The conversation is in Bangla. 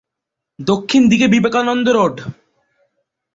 দক্ষিণ দিকে বিবেকানন্দ রোড।